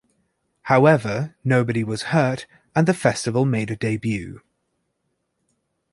However, nobody was hurt and the festival made a debut.